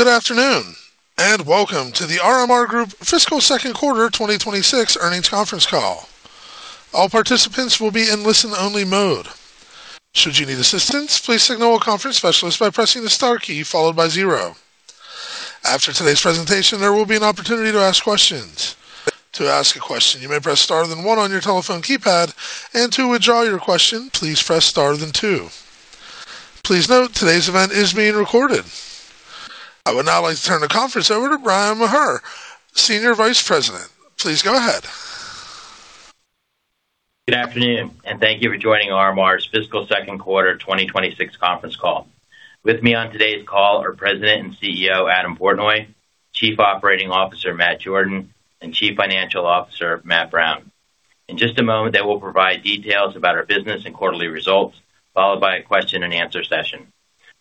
Good afternoon, and welcome to The RMR Group Fiscal Q2 2026 Earnings Conference Call. All participants will be in listen-only mode. Should you need assistance, please signal our conference specialist by pressing the star key followed by zero. After today's presentation, there will be an opportunity to ask questions. To ask a question you may press star then one your telephone keypad and to withdraw your question please press star then two. Please note today's event is being recorded. I would now like to turn the conference over to Bryan Maher, Senior Vice President. Please go ahead. Good afternoon, and thank you for joining RMR's Fiscal Q2 2026 Conference Call. With me on today's call are President and CEO, Adam Portnoy, Chief Operating Officer, Matt Jordan, and Chief Financial Officer, Matt Brown. In just a moment, they will provide details about our business and quarterly results, followed by a question and answer session.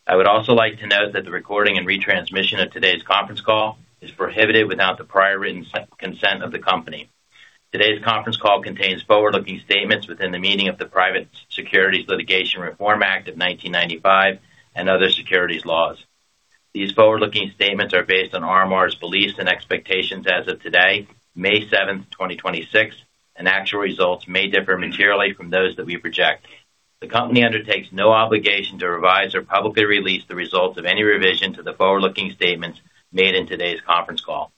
I would also like to note that the recording and retransmission of today's conference call is prohibited without the prior written consent of the company. Today's conference call contains forward-looking statements within the meaning of the Private Securities Litigation Reform Act of 1995 and other securities laws. These forward-looking statements are based on RMR's beliefs and expectations as of today, May 7, 2026, and actual results may differ materially from those that we project. The company undertakes no obligation to revise or publicly release the results of any revision to the forward-looking statements made in today's conference call.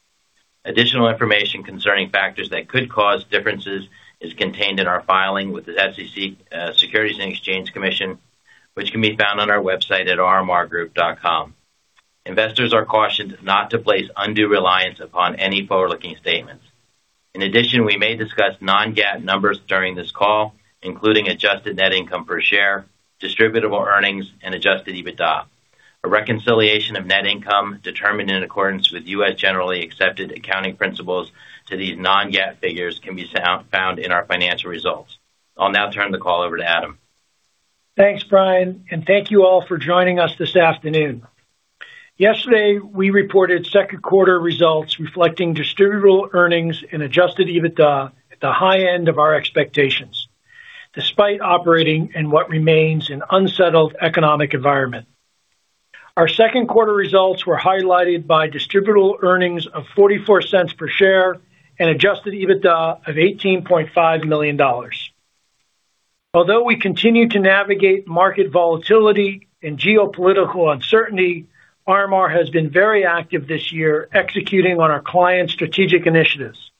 Additional information concerning factors that could cause differences is contained in our filing with the SEC, Securities and Exchange Commission, which can be found on our website at rmrgroup.com. Investors are cautioned not to place undue reliance upon any forward-looking statements. We may discuss non-GAAP numbers during this call, including adjusted net income per share, distributable earnings, and Adjusted EBITDA. A reconciliation of net income determined in accordance with U.S. generally accepted accounting principles to these non-GAAP figures can be found in our financial results. I'll now turn the call over to Adam. Thanks, Bryan, and thank you all for joining us this afternoon. Yesterday, we reported Q2 results reflecting distributable earnings and Adjusted EBITDA at the high end of our expectations, despite operating in what remains an unsettled economic environment. Our Q2 results were highlighted by distributable earnings of $0.44 per share and Adjusted EBITDA of $18.5 million. Although we continue to navigate market volatility and geopolitical uncertainty, RMR has been very active this year executing on our clients' strategic initiatives.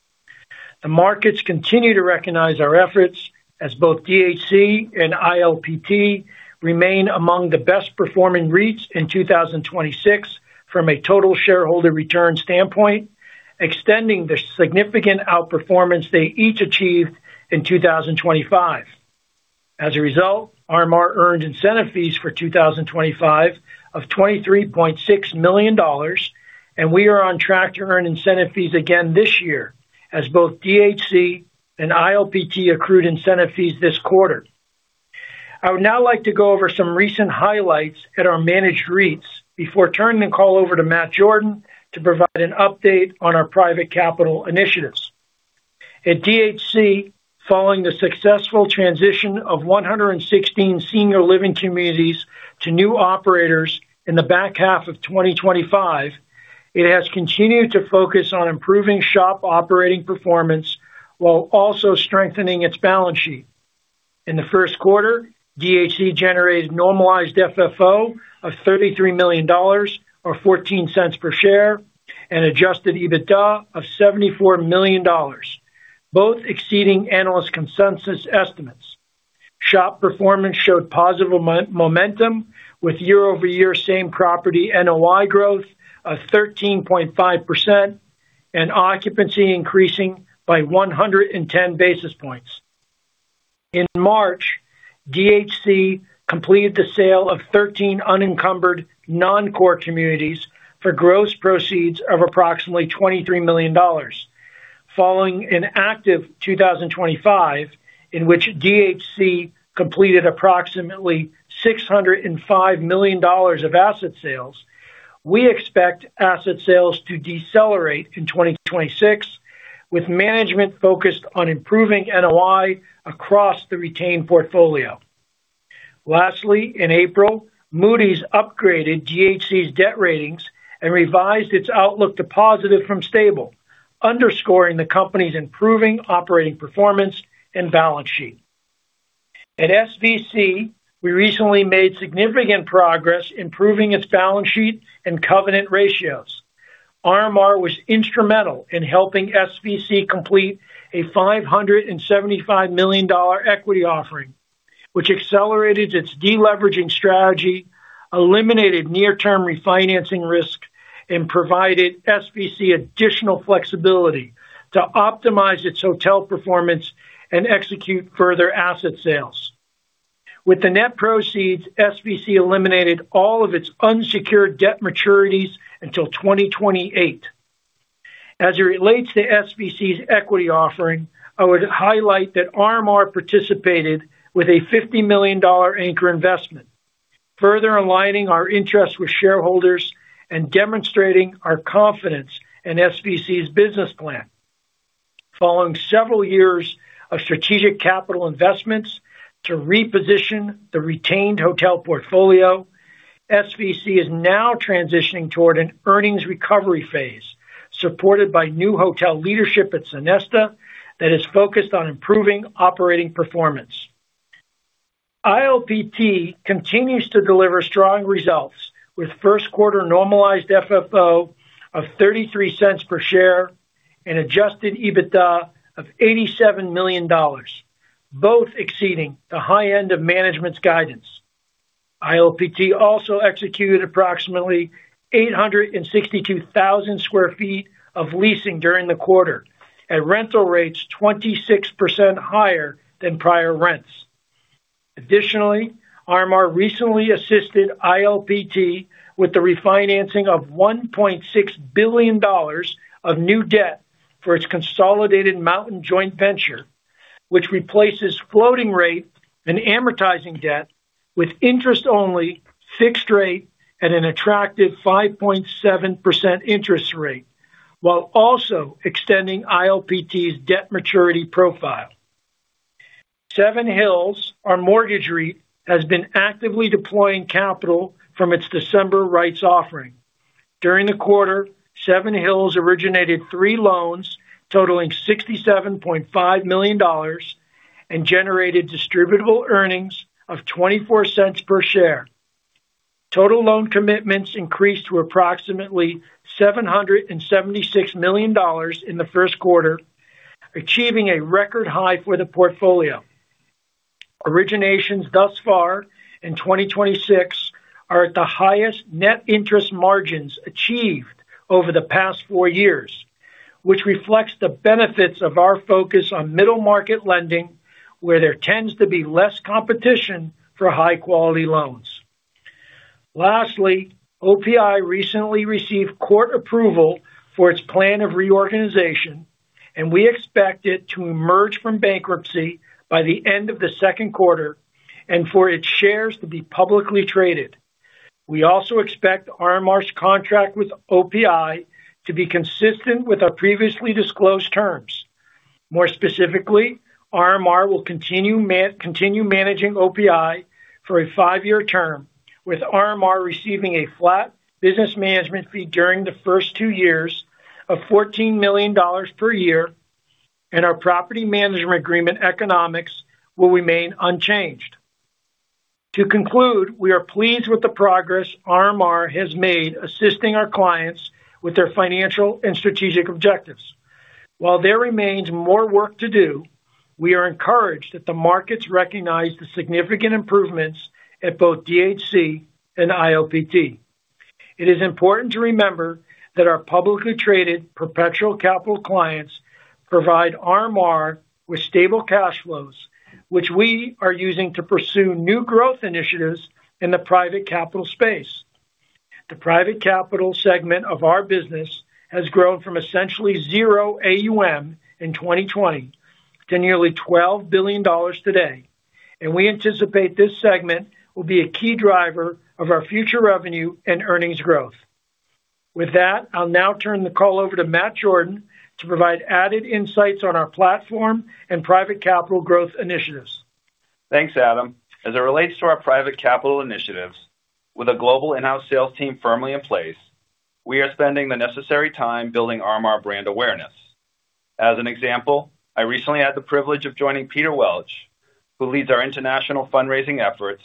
The markets continue to recognize our efforts as both DHC and ILPT remain among the best performing REITs in 2026 from a total shareholder return standpoint, extending the significant outperformance they each achieved in 2025. As a result, RMR earned incentive fees for 2025 of $23.6 million, and we are on track to earn incentive fees again this year as both DHC and ILPT accrued incentive fees this quarter. I would now like to go over some recent highlights at our managed REITs before turning the call over to Matt Jordan to provide an update on our private capital initiatives. At DHC, following the successful transition of 116 senior living communities to new operators in the back half of 2025, it has continued to focus on improving SHOP operating performance while also strengthening its balance sheet. In Q1, DHC generated Normalized FFO of $33 million or $0.14 per share and Adjusted EBITDA of $74 million, both exceeding analyst consensus estimates. SHOP performance showed positive momentum with year-over-year same property NOI growth of 13.5% and occupancy increasing by 110 basis points. In March, DHC completed the sale of 13 unencumbered non-core communities for gross proceeds of approximately $23 million. Following an active 2025, in which DHC completed approximately $605 million of asset sales, we expect asset sales to decelerate in 2026, with management focused on improving NOI across the retained portfolio. Lastly, in April, Moody's upgraded DHC's debt ratings and revised its outlook to positive from stable, underscoring the company's improving operating performance and balance sheet. At SVC, we recently made significant progress improving its balance sheet and covenant ratios. RMR was instrumental in helping SVC complete a $575 million equity offering, which accelerated its deleveraging strategy, eliminated near-term refinancing risk, and provided SVC additional flexibility to optimize its hotel performance and execute further asset sales. With the net proceeds, SVC eliminated all of its unsecured debt maturities until 2028. As it relates to SVC's equity offering, I would highlight that RMR participated with a $50 million anchor investment, further aligning our interests with shareholders and demonstrating our confidence in SVC's business plan. Following several years of strategic capital investments to reposition the retained hotel portfolio, SVC is now transitioning toward an earnings recovery phase, supported by new hotel leadership at Sonesta that is focused on improving operating performance. ILPT continues to deliver strong results with Q1 Normalized FFO of $0.33 per share and Adjusted EBITDA of $87 million, both exceeding the high end of management's guidance. ILPT also executed approximately 862,000sq ft of leasing during the quarter at rental rates 26% higher than prior rents. Additionally, RMR recently assisted ILPT with the refinancing of $1.6 billion of new debt for its consolidated Mountain Joint Venture, which replaces floating rate and amortizing debt with interest-only fixed rate at an attractive 5.7% interest rate, while also extending ILPT's debt maturity profile. Seven Hills Realty Trust, our mortgage REIT, has been actively deploying capital from its December rights offering. During the quarter, Seven Hills Realty Trust originated three loans totaling $67.5 million and generated distributable earnings of $0.24 per share. Total loan commitments increased to approximately $776 million in the Q1, achieving a record high for the portfolio. Originations thus far in 2026 are at the highest net interest margins achieved over the past four years, which reflects the benefits of our focus on middle-market lending, where there tends to be less competition for high-quality loans. Lastly, OPI recently received court approval for its plan of reorganization, and we expect it to emerge from bankruptcy by the end of Q2 and for its shares to be publicly traded. We also expect RMR's contract with OPI to be consistent with our previously disclosed terms. More specifically, RMR will continue managing OPI for a five-year term, with RMR receiving a flat business management fee during the first two years of $14 million per year, and our property management agreement economics will remain unchanged. To conclude, we are pleased with the progress RMR has made assisting our clients with their financial and strategic objectives. While there remains more work to do, we are encouraged that the markets recognize the significant improvements at both DHC and ILPT. It is important to remember that our publicly traded perpetual capital clients provide RMR with stable cash flows, which we are using to pursue new growth initiatives in the private capital space. The private capital segment of our business has grown from essentially zero AUM in 2020 to nearly $12 billion today, and we anticipate this segment will be a key driver of our future revenue and earnings growth. With that, I'll now turn the call over to Matt Jordan to provide added insights on our platform and private capital growth initiatives. Thanks, Adam. As it relates to our private capital initiatives, with a global in-house sales team firmly in place, we are spending the necessary time building RMR brand awareness. As an example, I recently had the privilege of joining Peter Welch, who leads our international fundraising efforts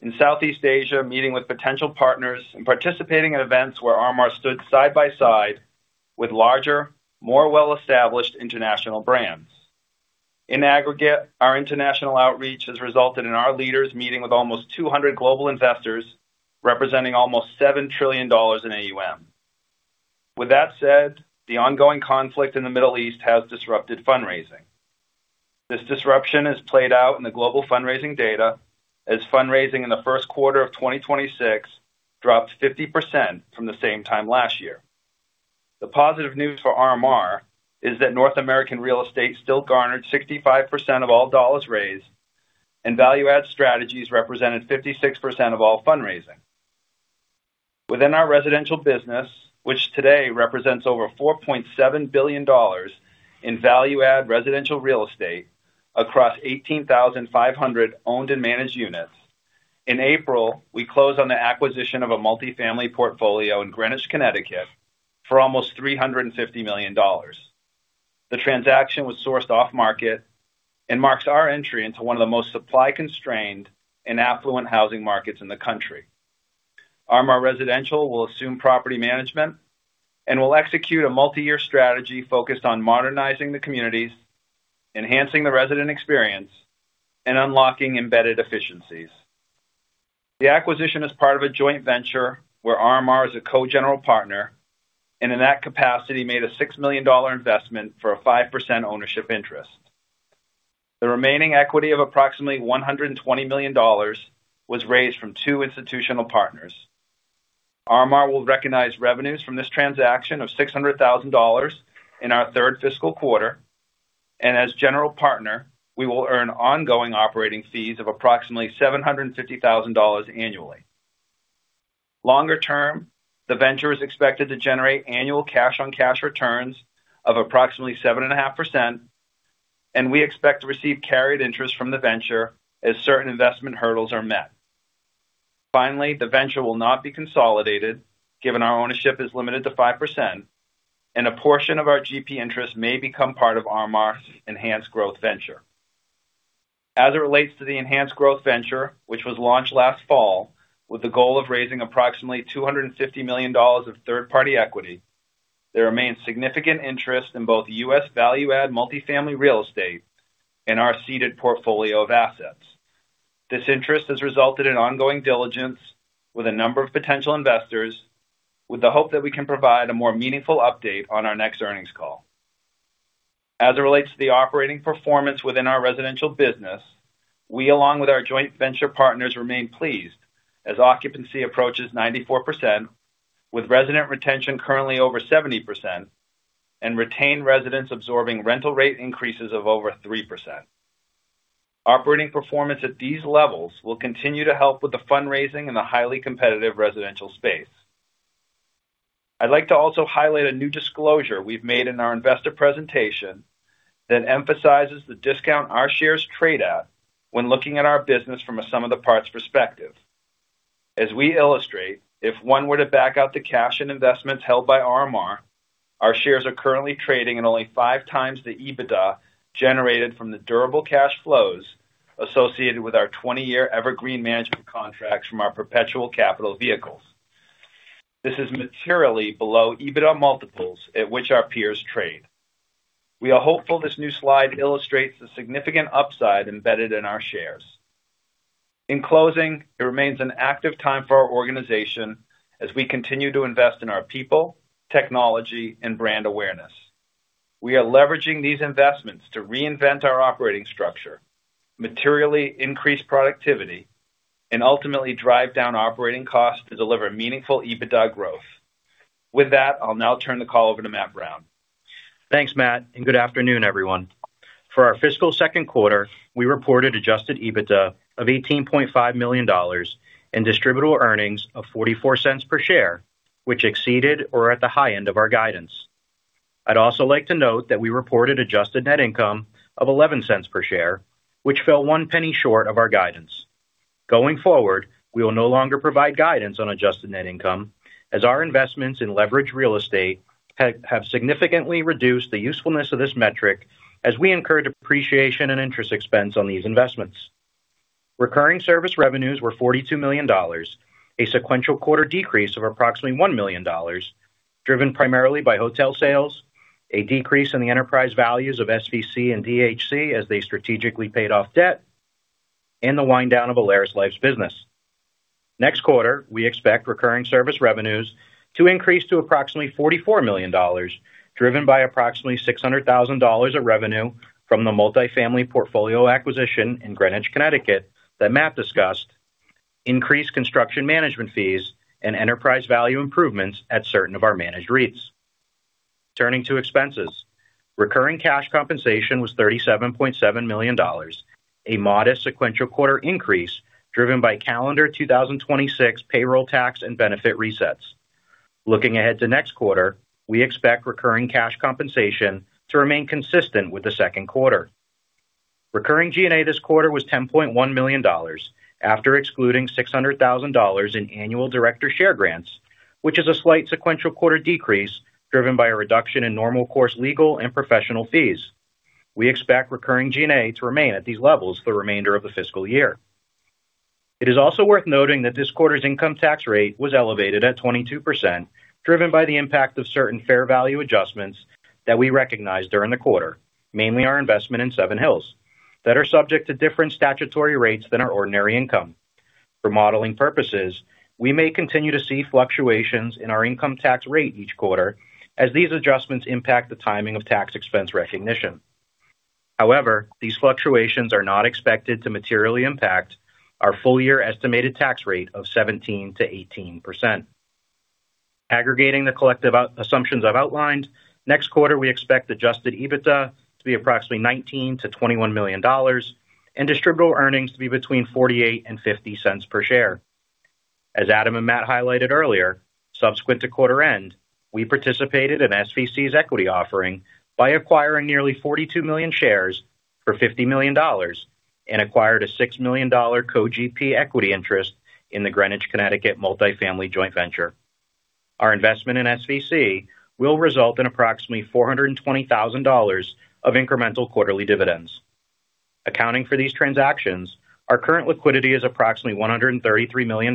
in Southeast Asia, meeting with potential partners and participating in events where RMR stood side by side with larger, more well-established international brands. In aggregate, our international outreach has resulted in our leaders meeting with almost 200 global investors representing almost $7 trillion in AUM. With that said, the ongoing conflict in the Middle East has disrupted fundraising. This disruption has played out in the global fundraising data as fundraising in the Q1 of 2026 dropped 50% from the same time last year. The positive news for RMR is that North American real estate still garnered 65% of all dollars raised, and value-add strategies represented 56% of all fundraising. Within our residential business, which today represents over $4.7 billion in value-add residential real estate across 18,500 owned and managed units, in April, we closed on the acquisition of a multifamily portfolio in Greenwich, Connecticut, for almost $350 million. The transaction was sourced off-market and marks our entry into one of the most supply-constrained and affluent housing markets in the country. RMR Residential will assume property management and will execute a multiyear strategy focused on modernizing the communities, enhancing the resident experience, and unlocking embedded efficiencies. The acquisition is part of a joint venture where RMR is a co-General Partner, and in that capacity made a $6 million investment for a 5% ownership interest. The remaining equity of approximately $120 million was raised from two institutional partners. RMR will recognize revenues from this transaction of $600,000 in our fiscal Q3, and as general partner, we will earn ongoing operating fees of approximately $750,000 annually. Longer term, the venture is expected to generate annual cash on cash returns of approximately 7.5%, and we expect to receive carried interest from the venture as certain investment hurdles are met. Finally, the venture will not be consolidated given our ownership is limited to 5% and a portion of our GP interest may become part of RMR's Enhanced Growth Venture. As it relates to the Enhanced Growth Venture, which was launched last fall with the goal of raising approximately $250 million of third-party equity, there remains significant interest in both U.S. value-add multifamily real estate and our seeded portfolio of assets. This interest has resulted in ongoing diligence with a number of potential investors with the hope that we can provide a more meaningful update on our next earnings call. As it relates to the operating performance within our residential business, we along with our joint venture partners remain pleased as occupancy approaches 94% with resident retention currently over 70% and retain residents absorbing rental rate increases of over 3%. Operating performance at these levels will continue to help with the fundraising in the highly competitive residential space. I'd like to also highlight a new disclosure we've made in our investor presentation that emphasizes the discount our shares trade at when looking at our business from a sum of the parts perspective. As we illustrate, if one were to back out the cash and investments held by RMR, our shares are currently trading at only 5x the EBITDA generated from the durable cash flows associated with our 20-year evergreen management contracts from our perpetual capital vehicles. This is materially below EBITDA multiples at which our peers trade. We are hopeful this new slide illustrates the significant upside embedded in our shares. In closing, it remains an active time for our organization as we continue to invest in our people, technology, and brand awareness. We are leveraging these investments to reinvent our operating structure, materially increase productivity, and ultimately drive down operating costs to deliver meaningful EBITDA growth. With that, I'll now turn the call over to Matt Brown. Thanks, Matt, and good afternoon, everyone. For our fiscal Q2, we reported Adjusted EBITDA of $18.5 million and distributable earnings of $0.44 per share, which exceeded or at the high end of our guidance. I'd also like to note that we reported adjusted net income of $0.11 per share, which fell $0.01 short of our guidance. Going forward, we will no longer provide guidance on adjusted net income as our investments in leveraged real estate have significantly reduced the usefulness of this metric as we incur depreciation and interest expense on these investments. Recurring service revenues were $42 million, a sequential quarter decrease of approximately $1 million, driven primarily by hotel sales, a decrease in the enterprise values of SVC and DHC as they strategically paid off debt, and the wind down of AlerisLife's business. Next quarter, we expect recurring service revenues to increase to approximately $44 million, driven by approximately $600,000 of revenue from the multifamily portfolio acquisition in Greenwich, Connecticut that Matt discussed, increased construction management fees, and enterprise value improvements at certain of our managed REITs. Turning to expenses. Recurring cash compensation was $37.7 million, a modest sequential quarter increase driven by calendar 2026 payroll tax and benefit resets. Looking ahead to next quarter, we expect recurring cash compensation to remain consistent with Q2. Recurring G&A this quarter was $10.1 million after excluding $600,000 in annual director share grants, which is a slight sequential quarter decrease driven by a reduction in normal course legal and professional fees. We expect recurring G&A to remain at these levels for the remainder of the fiscal year. It is also worth noting that this quarter's income tax rate was elevated at 22%, driven by the impact of certain fair value adjustments that we recognized during the quarter, mainly our investment in Seven Hills, that are subject to different statutory rates than our ordinary income. For modeling purposes, we may continue to see fluctuations in our income tax rate each quarter as these adjustments impact the timing of tax expense recognition. However, these fluctuations are not expected to materially impact our full year estimated tax rate of 17%-18%. Aggregating the collective assumptions I've outlined, next quarter, we expect Adjusted EBITDA to be approximately $19 million-$21 million and distributable earnings to be between $0.48 and $0.50 per share. As Adam and Matt highlighted earlier, subsequent to quarter end, we participated in SVC's equity offering by acquiring nearly 42 million shares for $50 million and acquired a $6 million co-GP equity interest in the Greenwich, Connecticut multifamily joint venture. Our investment in SVC will result in approximately $420,000 of incremental quarterly dividends. Accounting for these transactions, our current liquidity is approximately $133 million,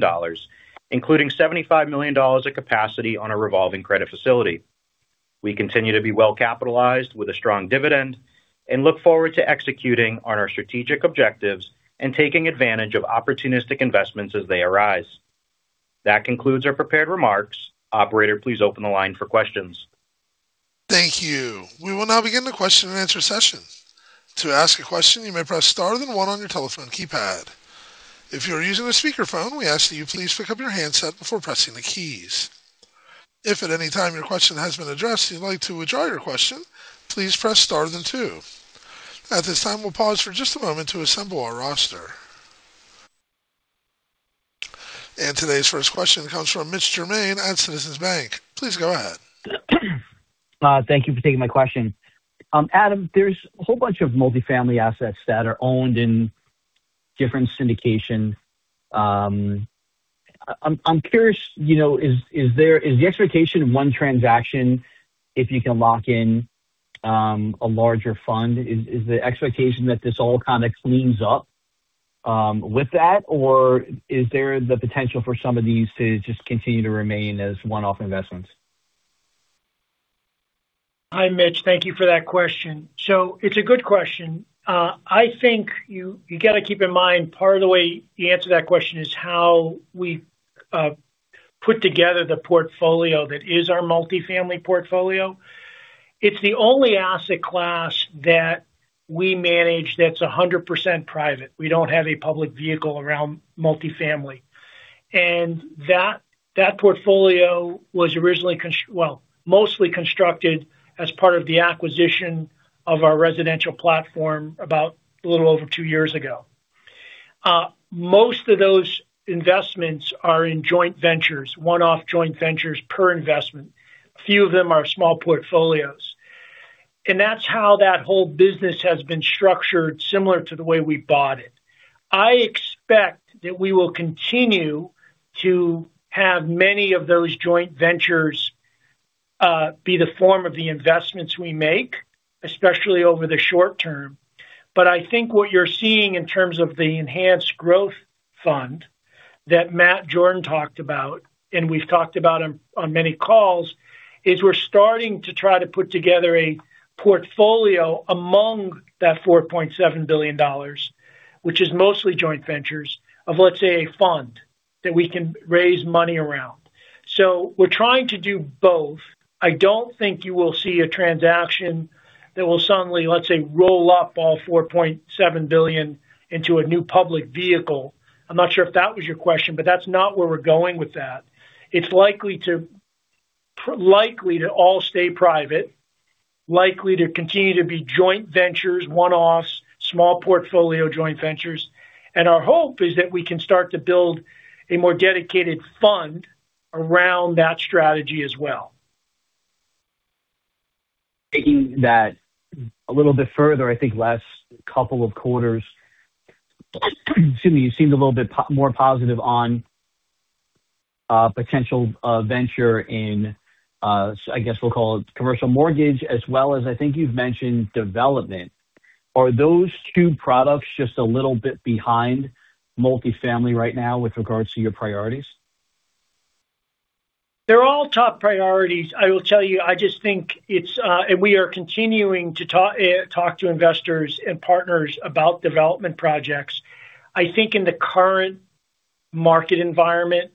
including $75 million of capacity on a revolving credit facility. We continue to be well-capitalized with a strong dividend and look forward to executing on our strategic objectives and taking advantage of opportunistic investments as they arise. That concludes our prepared remarks. Operator, please open the line for questions. Thank you. We will now begin the question and answer session. To ask a question, you may press star then one on your telephone keypad. If you are using a speakerphone, we ask that you please pick up your handset before pressing the keys. If at any time your question has been addressed and you'd like to withdraw your question, please press star then two. At this time, we'll pause for just a moment to assemble our roster. Today's first question comes from Mitch Germain at Citizens JMP. Please go ahead. Thank you for taking my question. Adam, there's a whole bunch of multifamily assets that are owned in different syndication. I'm curious, you know, is the expectation of one transaction if you can lock in a larger fund, is the expectation that this all kind of cleans up with that? Or is there the potential for some of these to just continue to remain as one-off investments? Hi, Mitch. Thank you for that question. It's a good question. I think you got to keep in mind part of the way you answer that question is how we've put together the portfolio that is our multifamily portfolio. It's the only asset class that we manage that's 100% private. We don't have a public vehicle around multifamily. That portfolio was originally mostly constructed as part of the acquisition of our Residential Platform about a little over two years ago. Most of those investments are in joint ventures, one-off joint ventures per investment. A few of them are small portfolios. That's how that whole business has been structured similar to the way we bought it. I expect that we will continue to have many of those joint ventures be the form of the investments we make, especially over the short term. I think what you're seeing in terms of the Enhanced Growth Venture that Matt Jordan talked about, and we've talked about on many calls, is we're starting to try to put together a portfolio among that $4.7 billion, which is mostly joint ventures of, let's say, a fund that we can raise money around. We're trying to do both. I don't think you will see a transaction that will suddenly, let's say, roll up all $4.7 billion into a new public vehicle. I'm not sure if that was your question, but that's not where we're going with that. It's likely to all stay private, likely to continue to be joint ventures, one-offs, small portfolio joint ventures. Our hope is that we can start to build a more dedicated fund around that strategy as well. Taking that a little bit further, I think last couple of quarters, excuse me, you seemed a little bit more positive on potential venture in I guess we'll call it commercial mortgage as well as I think you've mentioned development. Are those two products just a little bit behind multifamily right now with regards to your priorities? They're all top priorities. I will tell you, I just think it's. We are continuing to talk to investors and partners about development projects. I think in the current market environment,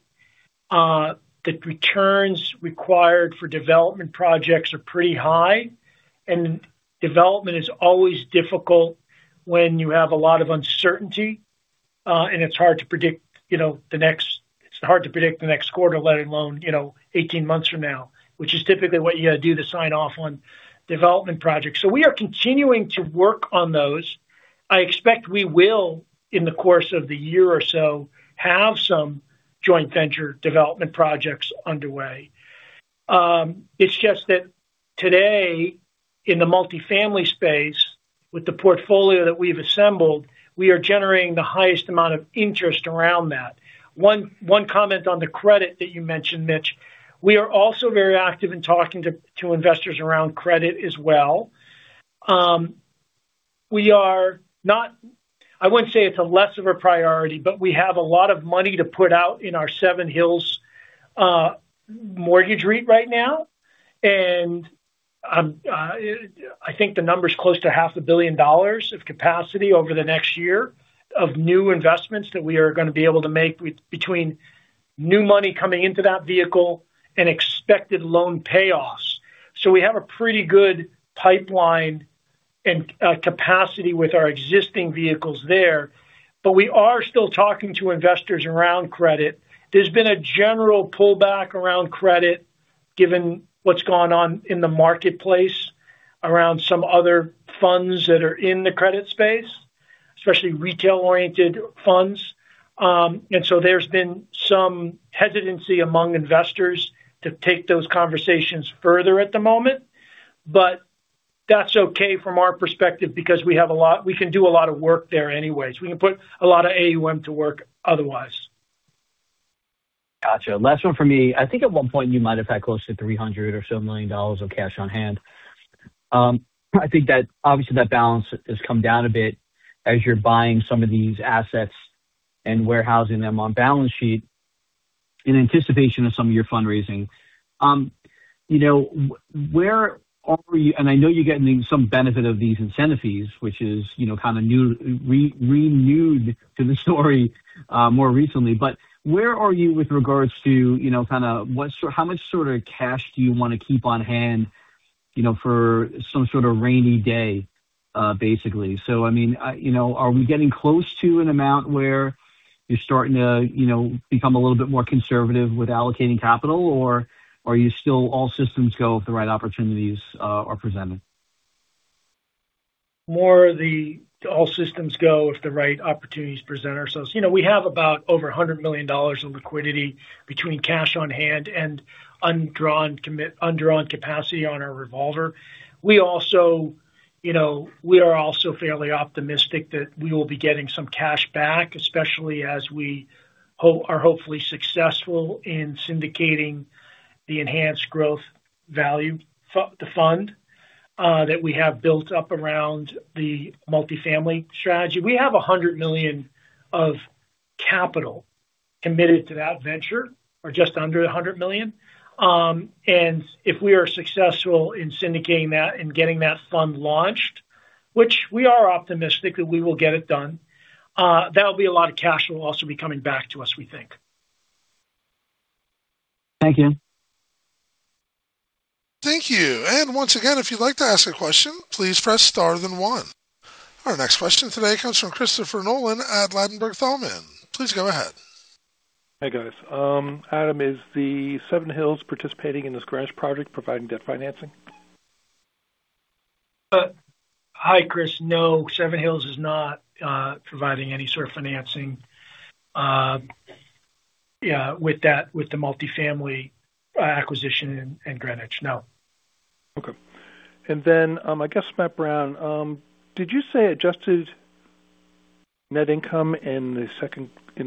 the returns required for development projects are pretty high, and development is always difficult when you have a lot of uncertainty, and it's hard to predict, you know, it's hard to predict the next quarter, let alone, you know, 18 months from now, which is typically what you got to do to sign off on development projects. We are continuing to work on those. I expect we will, in the course of the year or so, have some joint venture development projects underway. It's just that today, in the multifamily space with the portfolio that we've assembled, we are generating the highest amount of interest around that. One comment on the credit that you mentioned, Mitch. We are also very active in talking to investors around credit as well. I wouldn't say it's a less of a priority, but we have a lot of money to put out in our Seven Hills mortgage REIT right now. I think the number's close to $0.5 billion of capacity over the next year of new investments that we are gonna be able to make with between new money coming into that vehicle and expected loan payoffs. We have a pretty good pipeline and capacity with our existing vehicles there. We are still talking to investors around credit. There's been a general pullback around credit given what's going on in the marketplace around some other funds that are in the credit space, especially retail-oriented funds. There's been some hesitancy among investors to take those conversations further at the moment. That's okay from our perspective because we can do a lot of work there anyways. We can put a lot of AUM to work otherwise. Gotcha. Last one from me. I think at one point you might have had close to $300 million or so of cash on hand. I think that obviously that balance has come down a bit as you're buying some of these assets and warehousing them on balance sheet in anticipation of some of your fundraising. You know, I know you're getting some benefit of these incentive fees, which is, you know, kind of renewed to the story more recently. Where are you with regards to, you know, kinda how much sort of cash do you wanna keep on hand? You know, for some sort of rainy day, basically. I mean, you know, are we getting close to an amount where you're starting to, you know, become a little bit more conservative with allocating capital, or are you still all systems go if the right opportunities are presented? More the all systems go if the right opportunities present ourselves. You know, we have about over $100 million in liquidity between cash on hand and undrawn capacity on our revolver. We also, you know, we are also fairly optimistic that we will be getting some cash back, especially as we are hopefully successful in syndicating the Enhanced Growth Value Fund that we have built up around the multifamily strategy. We have $100 million of capital committed to that venture, or just under $100 million. If we are successful in syndicating that and getting that fund launched, which we are optimistic that we will get it done, that'll be a lot of cash that will also be coming back to us, we think. Thank you. Thank you. Once again, if you'd like to ask a question, please press star then one. Our next question today comes from Christopher Nolan at Ladenburg Thalmann. Please go ahead. Hey, guys. Adam, is the Seven Hills participating in this Greenwich project providing debt financing? Hi, Chris. No, Seven Hills is not providing any sort of financing, yeah, with that, with the multifamily acquisition in Greenwich, no. Okay. I guess Matt Brown, did you say adjusted net income in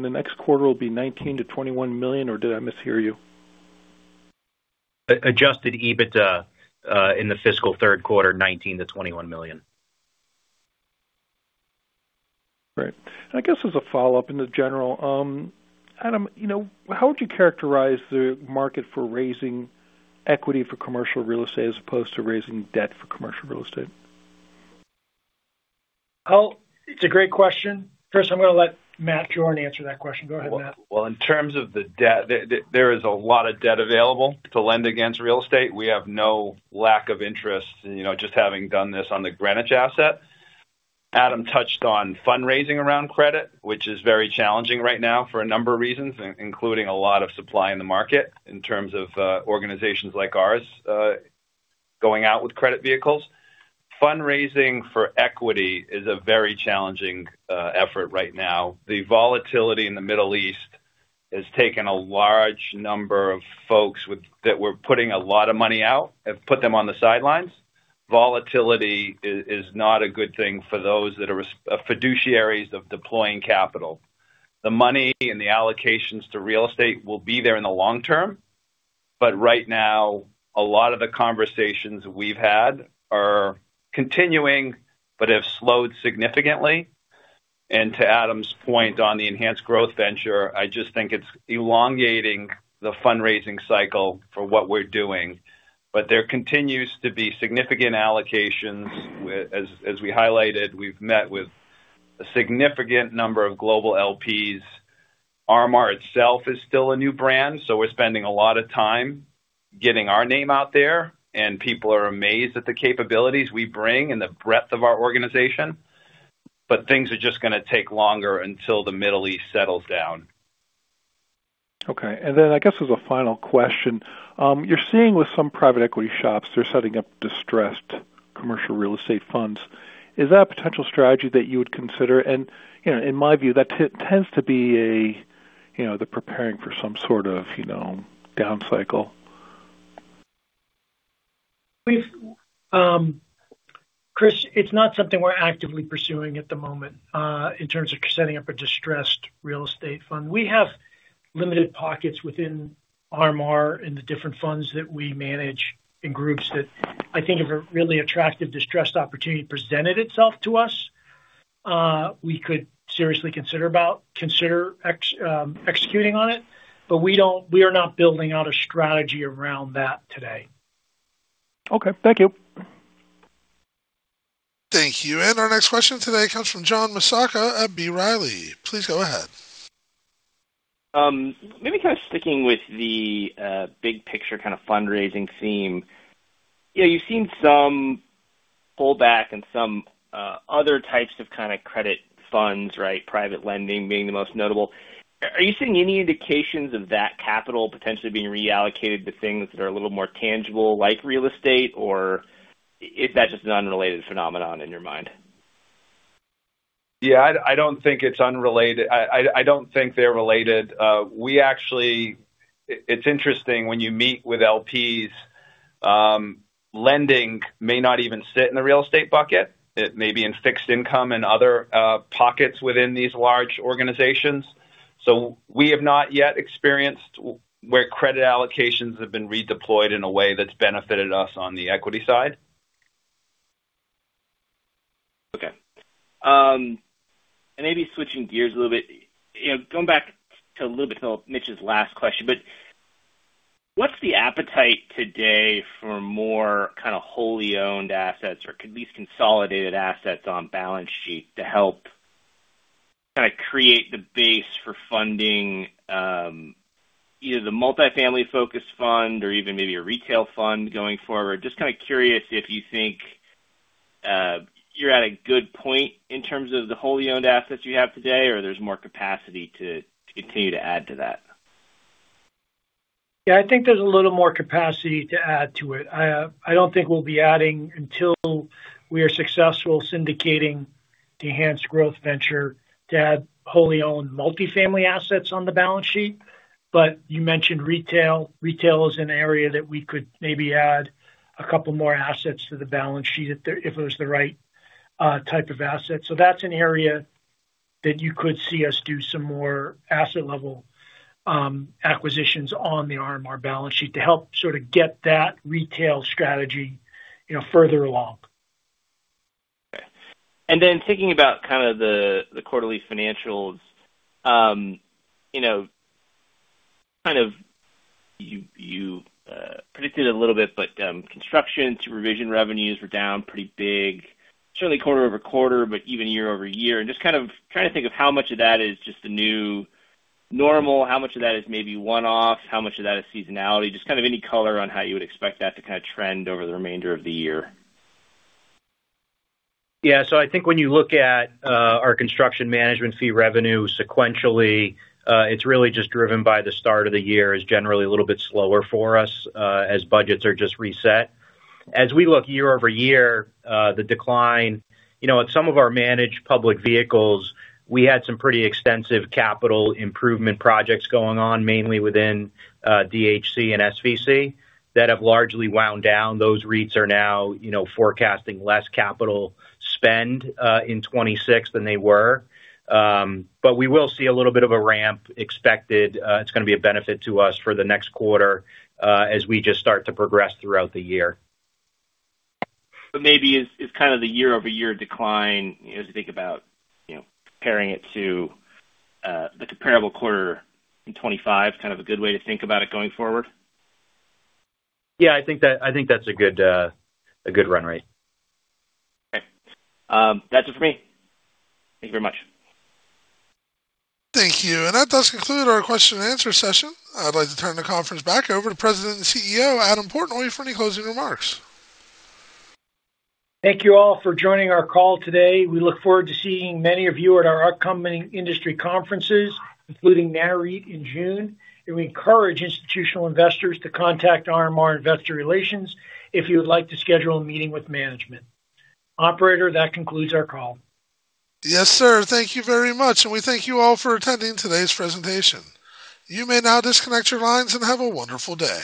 the next quarter will be $19 million-$21 million, or did I mishear you? Adjusted EBITDA, in the fiscal Q3, $19 million-$21 million. Right. I guess as a follow-up in the general, Adam, you know, how would you characterize the market for raising equity for commercial real estate as opposed to raising debt for commercial real estate? Well, it's a great question. First, I'm gonna let Matt Jordan answer that question. Go ahead, Matt. Well, in terms of the debt, there is a lot of debt available to lend against real estate. We have no lack of interest, you know, just having done this on the Greenwich asset. Adam touched on fundraising around credit, which is very challenging right now for a number of reasons, including a lot of supply in the market in terms of organizations like ours going out with credit vehicles. Fundraising for equity is a very challenging effort right now. The volatility in the Middle East has taken a large number of folks that were putting a lot of money out, have put them on the sidelines. Volatility is not a good thing for those that are fiduciaries of deploying capital. The money and the allocations to real estate will be there in the long term, but right now a lot of the conversations we've had are continuing but have slowed significantly. To Adam's point on the Enhanced Growth Venture, I just think it's elongating the fundraising cycle for what we're doing. There continues to be significant allocations. As we highlighted, we've met with a significant number of global LPs. RMR itself is still a new brand, so we're spending a lot of time getting our name out there, and people are amazed at the capabilities we bring and the breadth of our organization. Things are just gonna take longer until the Middle East settles down. Okay. I guess as a final question, you're seeing with some private equity shops, they're setting up distressed commercial real estate funds. Is that a potential strategy that you would consider? You know, in my view, that tends to be a, you know, the preparing for some sort of, you know, down cycle. We've, Chris, it's not something we're actively pursuing at the moment, in terms of setting up a distressed real estate fund. We have limited pockets within RMR in the different funds that we manage in groups that I think if a really attractive distressed opportunity presented itself to us, we could seriously consider executing on it. We are not building out a strategy around that today. Okay. Thank you. Thank you. Our next question today comes from John Massocca at B. Riley. Please go ahead. Maybe kind of sticking with the big picture kind of fundraising theme. You know, you've seen some pullback and some other types of kind of credit funds, right? Private lending being the most notable. Are you seeing any indications of that capital potentially being reallocated to things that are a little more tangible, like real estate, or is that just an unrelated phenomenon in your mind? Yeah, I don't think it's unrelated. I don't think they're related. We actually it's interesting when you meet with LPs, lending may not even sit in the real estate bucket. It may be in fixed income and other pockets within these large organizations. We have not yet experienced where credit allocations have been redeployed in a way that's benefited us on the equity side. Okay. Maybe switching gears a little bit. You know, going back to a little bit to Mitch's last question, what's the appetite today for more kind of wholly owned assets or at least consolidated assets on balance sheet to help kind of create the base for funding, either the multifamily focused fund or even maybe a retail fund going forward? Just kind of curious if you think you're at a good point in terms of the wholly owned assets you have today or there's more capacity to continue to add to that? Yeah, I think there's a little more capacity to add to it. I don't think we'll be adding until we are successful syndicating the Enhanced Growth Venture to add wholly owned multifamily assets on the balance sheet. You mentioned retail. Retail is an area that we could maybe add a couple more assets to the balance sheet if it was the right type of asset. That's an area that you could see us do some more asset level acquisitions on the RMR balance sheet to help sort of get that retail strategy, you know, further along. Okay. Then thinking about kind of the quarterly financials, you know, kind of you predicted a little bit, but construction supervision revenues were down pretty big, certainly quarter-over-quarter, but even year-over-year. Just kind of trying to think of how much of that is just the new normal, how much of that is maybe one-off, how much of that is seasonality. Just kind of any color on how you would expect that to kind of trend over the remainder of the year. Yeah. I think when you look at our construction management fee revenue sequentially, it's really just driven by the start of the year is generally a little bit slower for us, as budgets are just reset. As we look year-over-year, the decline, you know, at some of our managed public vehicles, we had some pretty extensive capital improvement projects going on, mainly within DHC and SVC that have largely wound down. Those REITs are now, you know, forecasting less capital spend in 2026 than they were. We will see a little bit of a ramp expected. It's gonna be a benefit to us for the next quarter, as we just start to progress throughout the year. Maybe is kind of the year-over-year decline, you know, as you think about, you know, comparing it to the comparable quarter in 2025 kind of a good way to think about it going forward? Yeah, I think that's a good, a good run rate. Okay. That's it for me. Thank you very much. Thank you. That does conclude our question and answer session. I'd like to turn the conference back over to President and CEO, Adam Portnoy, for any closing remarks. Thank you all for joining our call today. We look forward to seeing many of you at our upcoming industry conferences, including NAREIT in June. We encourage institutional investors to contact RMR Investor Relations if you would like to schedule a meeting with management. Operator, that concludes our call. Yes, sir. Thank you very much, and we thank you all for attending today's presentation. You may now disconnect your lines and have a wonderful day.